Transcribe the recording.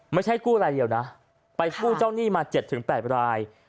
ไม่ใช่กู้รายเดียวนะไปกู้เจ้าหนี้มา๗๘ราย